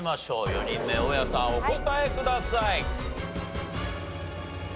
４人目大家さんお答えください。